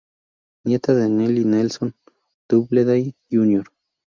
Nieta de Nellie Nelson Doubleday Jr.